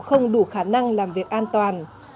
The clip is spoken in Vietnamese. không đủ khả năng làm việc an toàn